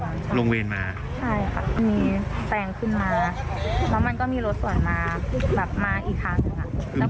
ลงเวรมาใช่ค่ะมีแซงขึ้นมาแล้วมันก็มีรถสวนมาแบบมาอีกคันหนึ่งอ่ะ